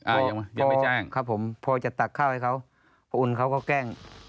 ยังไม่ยังไม่แจ้งครับผมพอจะตักข้าวให้เขาพระอุ่นเขาก็แกล้ง